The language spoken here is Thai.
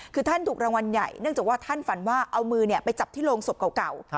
คือท่านถูกรางวัลใหญ่เนื่องจากว่าท่านฝันว่าเอามือไปจับที่โรงศพเก่า